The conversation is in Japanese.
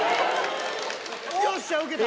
よっしゃウケた。